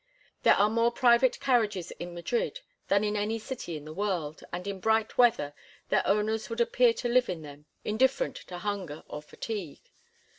There are more private carriages in Madrid than in any city in the world, and in bright weather their owners would appear to live in them, indifferent to hunger or fatigue.